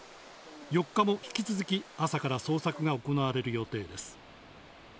４日も引き続き、朝から捜索が行われる予定です。